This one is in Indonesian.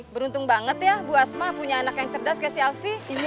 beruntung banget ya bu asma punya anak yang cerdas kayak si alvi